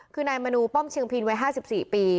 คือนายมนูป้อมเชียงพินวัย๕๔ปี